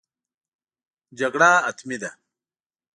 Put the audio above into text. جګړه حتمي ده.